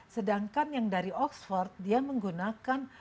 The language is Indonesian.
sedangkan yang dari oxford dia menggunakan